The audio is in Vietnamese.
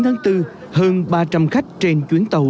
trưa ngày chín tháng bốn hơn ba trăm linh khách trên chuyến tàu